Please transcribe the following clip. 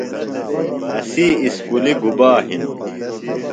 اسی اُسکُلیۡ گُبا ہِنوۡ؟